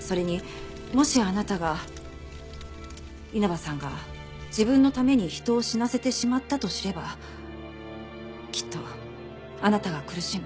それにもしあなたが稲葉さんが自分のために人を死なせてしまったと知ればきっとあなたが苦しむ。